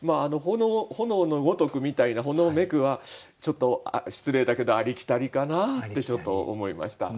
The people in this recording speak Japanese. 「炎の如く」みたいな「炎めく」はちょっと失礼だけどありきたりかなってちょっと思いました。